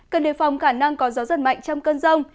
cần đề phòng khả năng có gió giật mạnh trong cơn rông